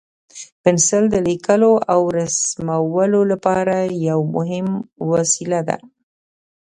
پنسل د لیکلو او رسمولو لپاره یو مهم وسیله ده.